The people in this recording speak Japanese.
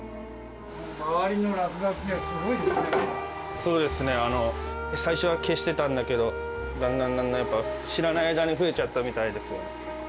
そうですね最初は消してたんだけどだんだんだんだんやっぱ知らない間に増えちゃったみたいです。